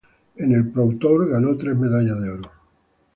En el Pro Tour, ganó tres medallas de oro.